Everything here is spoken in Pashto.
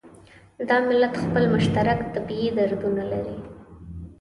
دا ملت خپل مشترک طبعي دردونه لري.